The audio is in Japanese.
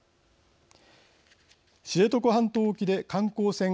知床半島沖で観光船